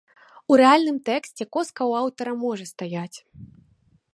У рэальным тэксце коска ў аўтара можа стаяць.